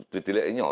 từ tỉ lệ nhỏ